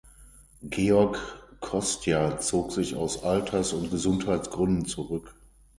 Georg Kostya zog sich aus Alters- und Gesundheitsgründen zurück.